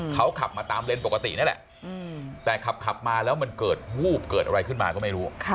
เขาขับมาตามเลนส์ปกตินี่แหละแต่ขับมาแล้วมันเกิดวูบเกิดอะไรขึ้นมาก็ไม่รู้